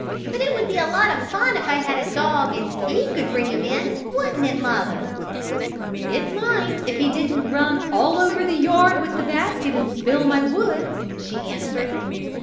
"But it would be a lot of fun if I had a dog and he could bring 'em in; wouldn't it, mother?" "It might, if he didn't run all over the yard with the basket, and spill my wood," she answered.